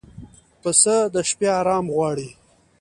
پسه د شپه آرام غواړي.